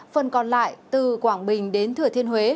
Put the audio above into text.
phần còn lại từ quảng bình đến thừa thiên huế